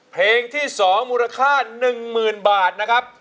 เพลงที่สองมูลค่าหนึ่งหมื่นบาทนะครับ